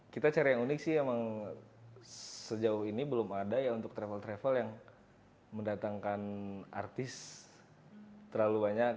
kita cara yang unik sih emang sejauh ini belum ada ya untuk travel travel yang mendatangkan artis terlalu banyak